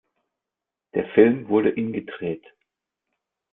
Der Film wurde in gedreht.